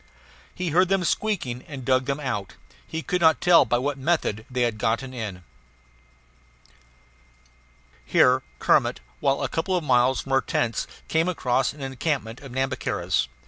He heard them squeaking and dug them out; he could not tell by what method they had gotten in. Here Kermit, while a couple of miles from our tents, came across an encampment of Nhambiquaras.